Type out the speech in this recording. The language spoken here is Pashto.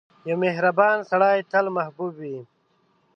• یو مهربان سړی تل محبوب وي.